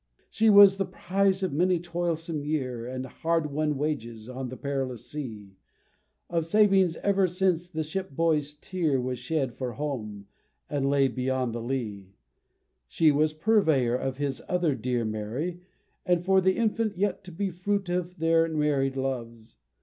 She was the prize of many a toilsome year, And hardwon wages, on the perilous sea Of savings ever since the shipboy's tear Was shed for home, that lay beyond the lee; She was purveyor for his other dear Mary, and for the infant yet to be Fruit of their married loves.